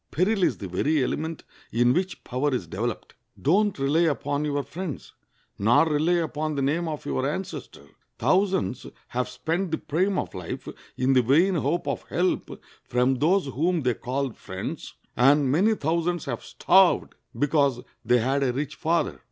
Peril is the very element in which power is developed. Don't rely upon your friends, nor rely upon the name of your ancestor. Thousands have spent the prime of life in the vain hope of help from those whom they called friends, and many thousands have starved because they had a rich father.